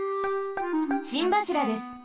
心柱です。